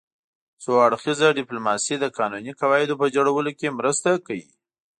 څو اړخیزه ډیپلوماسي د قانوني قواعدو په جوړولو کې مرسته کوي